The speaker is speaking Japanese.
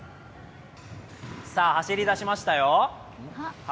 さあ走り出しましたよ。